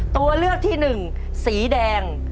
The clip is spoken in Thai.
ตัวเลือกที่๑สีแดง